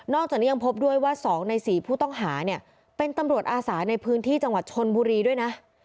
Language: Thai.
จากนี้ยังพบด้วยว่า๒ใน๔ผู้ต้องหาเนี่ยเป็นตำรวจอาสาในพื้นที่จังหวัดชนบุรีด้วยนะ